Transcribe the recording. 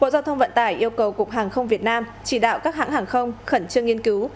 bộ giao thông vận tải yêu cầu cục hàng không việt nam chỉ đạo các hãng hàng không khẩn trương nghiên cứu